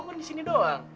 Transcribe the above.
aku kan di sini doang